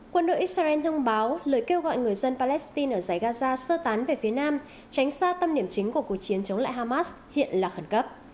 quân đội israel thông báo lời kêu gọi người dân palestine ở giải gaza sơ tán về phía nam tránh xa tâm niệm chính của cuộc chiến chống lại hamas hiện là khẩn cấp